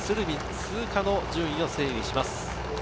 通過の順位を整理します。